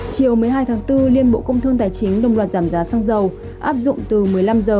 chiều một mươi hai tháng bốn liên bộ công thương tài chính đồng loạt giảm giá xăng dầu áp dụng từ một mươi năm h